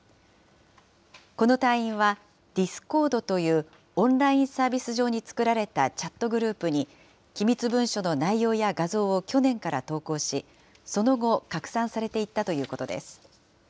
この隊員はディスコードというオンラインサービス上に作られたチャットグループに、機密文書の内容や画像を去年から投稿し、その後、拡散されていったということです。